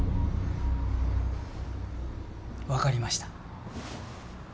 分かりました。